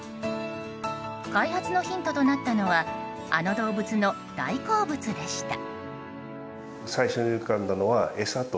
開発のヒントとなったのはあの動物の大好物でした。